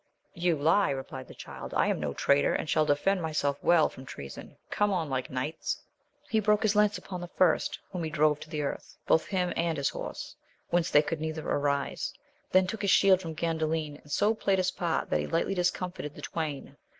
You lie, replied the Child, I am no traitor, and shall defend myself well from treason : come on like knights ! He broke his lance upon the first, whom he drove to the earth, both him and his horse, whence they could neither arise; then took his shield from Gandalin, and so played his part that he lightly discomfited the twain.